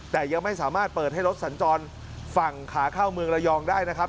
แต่ยังไม่สามารถเปิดให้รถสัญจรฝั่งขาเข้าเมืองระยองได้นะครับ